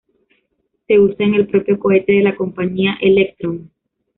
Se usa en el propio cohete de la compañía, Electron.